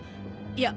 いや。